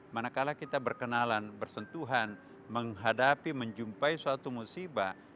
manakala kita berkenalan bersentuhan menghadapi menjumpai suatu musibah